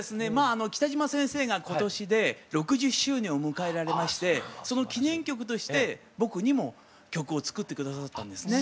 北島先生が今年で６０周年を迎えられましてその記念曲として僕にも曲を作って下さったんですね。